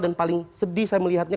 dan paling sedih saya melihatnya